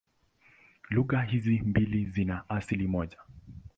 Lugha hizi mbili zina asili moja.